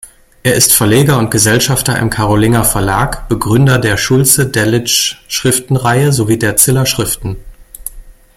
Er ist Verleger und Gesellschafter im Karolinger Verlag, Begründer der "Schulze-Delitzsch-Schriftenreihe" sowie der "Ziller-Schriften".